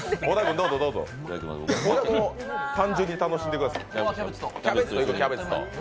小田君は単純に楽しんでください。